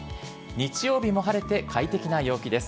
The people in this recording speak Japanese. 日曜日も晴れて快適な陽気です。